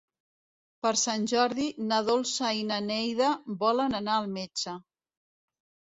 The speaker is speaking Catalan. Per Sant Jordi na Dolça i na Neida volen anar al metge.